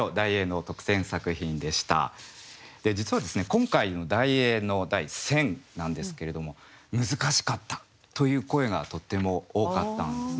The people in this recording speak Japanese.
今回の題詠の題「千」なんですけれども「難しかった」という声がとっても多かったんですね。